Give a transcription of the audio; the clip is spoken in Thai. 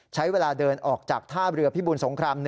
ใช้เวลาเดินออกจากท่าเรือพิบูลสงคราม๑